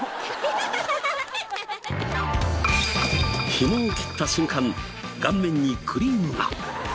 紐を切った瞬間顔面にクリームが。